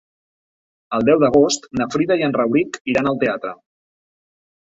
El deu d'agost na Frida i en Rauric iran al teatre.